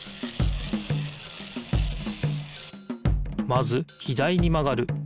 まず左にまがる。